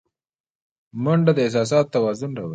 منډه د احساساتو توازن راولي